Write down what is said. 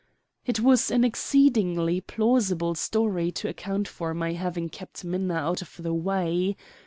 It was an exceedingly plausible story to account for my having kept Minna out of the way.